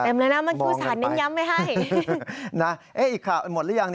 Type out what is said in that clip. แบบนั้นนะมันคือสารนั้นย้ำไม่ให้นะอีกข่าวหมดหรือยัง